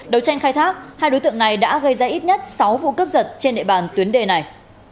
đấu tranh khai thác hai đối tượng này đã gây ra ít nhất sáu vụ cướp giật trên địa bàn tuyến đề này